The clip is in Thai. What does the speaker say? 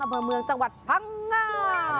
อำเภอเมืองจังหวัดพังงา